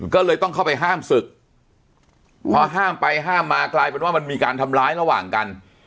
ก็เลยต้องเข้าไปห้ามศึกพอห้ามไปห้ามมากลายเป็นว่ามันมีการทำร้ายระหว่างกัน